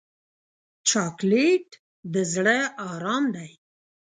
چاکلېټ د زړه ارام دی.